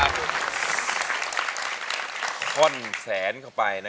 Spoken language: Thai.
ร้องได้นะ